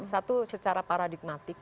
satu secara paradigmatik